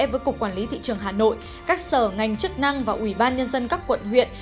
với cục quản lý thị trường hà nội các sở ngành chức năng và ủy ban nhân dân các quận huyện